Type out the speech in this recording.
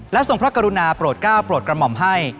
ทรงพระกรุณาโปรดก้าวโปรดกระหม่อมให้